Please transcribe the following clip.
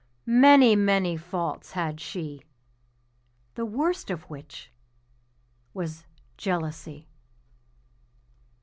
many, many faults had she, The worst of which was jealousy.